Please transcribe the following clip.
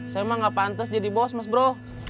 saya emang enggak pantes jadi bos mas bro